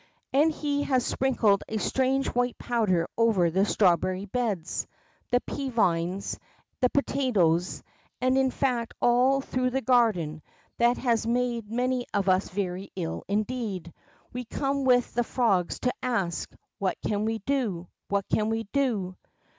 And he has sprinkled a strange white powder over the strawberry beds, the pea vines, the pota toes, and in fact all through the garden, that has made many of us very ill indeed. We come with the frogs to ask. What can we do ? What can we do?